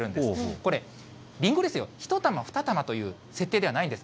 これ、りんごですよ、１玉、２玉という設定ではないんです。